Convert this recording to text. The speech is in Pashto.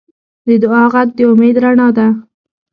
د دعا غږ د امید رڼا ده.